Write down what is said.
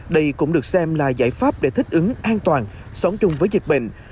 đây cũng được xem là giải pháp để thích ứng an toàn sống chung với dịch bệnh